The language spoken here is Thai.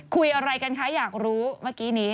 คุยอะไรกันคะอยากรู้เมื่อกี้นี้